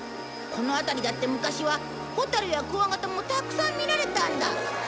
この辺りだって昔はホタルやクワガタもたくさん見られたんだ。